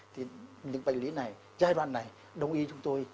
thì những bệnh lý này giai đoạn này đồng ý chúng tôi